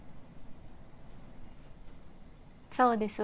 そうですわ。